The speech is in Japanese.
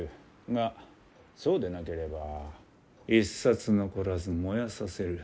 がそうでなければ一冊残らず燃やさせる。